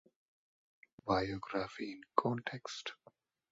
"Biography in Context".